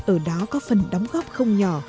ở đó có phần đóng góp không nhỏ